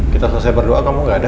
kita selesai berdoa kamu gak ada